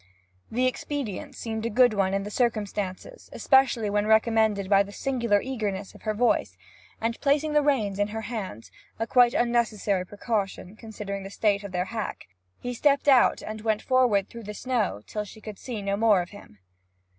The expedient seemed a good one in the circumstances, especially when recommended by the singular eagerness of her voice; and placing the reins in her hands a quite unnecessary precaution, considering the state of their hack he stepped out and went forward through the snow till she could see no more of him.